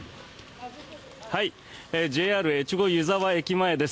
ＪＲ越後湯沢駅前です。